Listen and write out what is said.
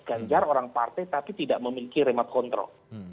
ganjar orang partai tapi tidak memiliki remat kontrol